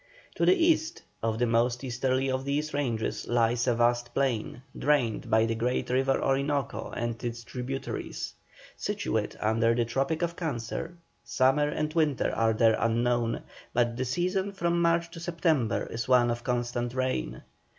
To the east of the most easterly of these ranges lies a vast plain, drained by the great river Orinoco and its tributaries. Situate under the tropic of Cancer summer and winter are there unknown, but the season from March to September is one of constant rain.